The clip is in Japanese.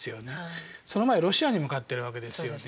その前はロシアにも勝ってるわけですよね。